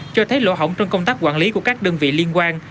cho thấy lỗ hỏng trong công tác quản lý của các đơn vị liên quan